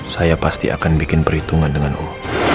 saya pasti akan bikin perhitungan dengan allah